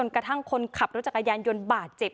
กระทั่งคนขับรถจักรยานยนต์บาดเจ็บ